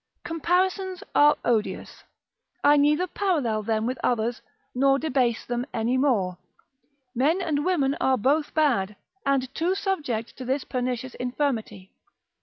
Comparisons are odious, I neither parallel them with others, nor debase them any more: men and women are both bad, and too subject to this pernicious infirmity.